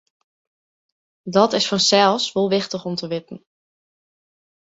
Dat is fansels wol wichtich om te witten.